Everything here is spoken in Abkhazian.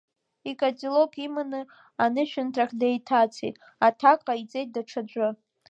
Икателок иманы анышәынҭрахь деиҭацеит, аҭак ҟаиҵеит даҽаӡәы.